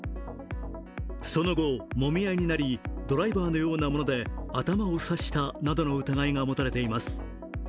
その後、もみ合いになり、ドライバーのようなもので頭を刺したなどの疑いが持たれています。